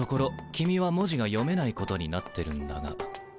君は文字が読めないことになってるんだが。